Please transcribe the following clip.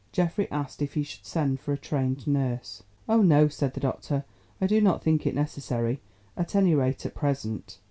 Geoffrey asked if he should send for a trained nurse. "Oh, no," said the doctor. "I do not think it is necessary, at any rate at present.